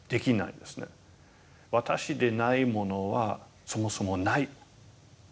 私でないものはそもそもない。